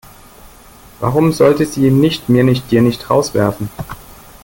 Warum sollte sie ihn nicht, mir nicht dir nicht, rauswerfen?